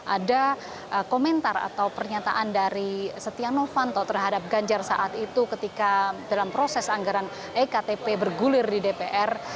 ada komentar atau pernyataan dari setia novanto terhadap ganjar saat itu ketika dalam proses anggaran ektp bergulir di dpr